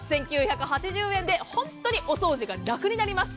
８９８０円で本当にお掃除が楽になります。